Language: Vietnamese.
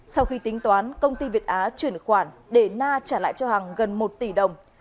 sau khi tính toán công ty việt á chuyển khoản để na trả lại cho hàng gần một tỷ đồng